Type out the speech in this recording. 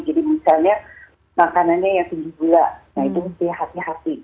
jadi misalnya makanannya yang tinggi gula nah itu harus dihati hati